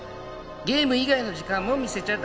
ゲーム以外の時間も見せちゃダメ。